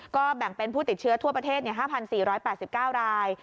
ก็แบ่งเป็นผู้ติดเชื้อทั่วประเทศ๕๔๘๙ราย